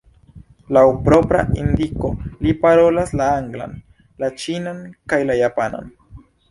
Laŭ propra indiko li parolas la anglan, la ĉinan kaj la japanan.